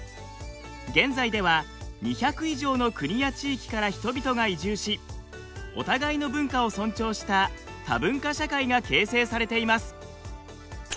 現在では２００以上の国や地域から人々が移住しお互いの文化を尊重した多文化社会が形成されています。